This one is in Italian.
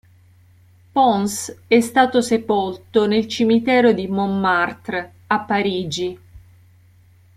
Pons è stato sepolto nel Cimitero di Montmartre, a Parigi.